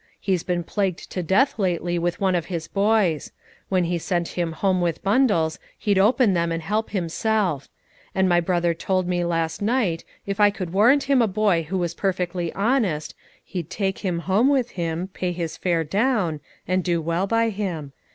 He's been plagued to death lately with one of his boys, when he sent him home with bundles, he'd open them and help himself; and my brother told me last night, if I could warrant him a boy who was perfectly honest, he'd take him home with him, pay his fare down, and do well by him.